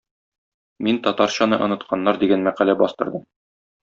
Мин "татарчаны онытканнар" дигән мәкалә бастырдым.